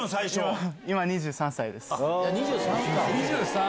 今２３歳です。